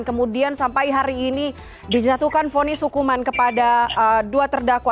kemudian sampai hari ini dijatuhkan fonis hukuman kepada dua terdakwa